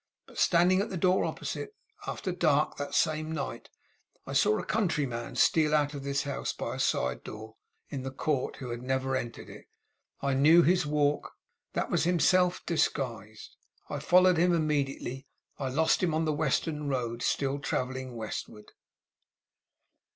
But, standing at the door opposite, after dark that same night, I saw a countryman steal out of this house, by a side door in the court, who had never entered it. I knew his walk, and that it was himself, disguised. I followed him immediately. I lost him on the western road, still travelling westward.